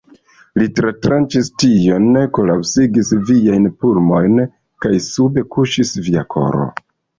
Li tratranĉis tion, kolapsigis viajn pulmojn, kaj sube kuŝis via koro!